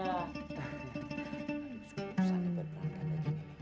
susah dapet perangkat aja